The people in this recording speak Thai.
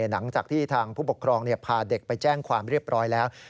หลังจากที่ทางผู้ปกครองพาเด็กไปแจ้งความเรียบร้อยแล้ว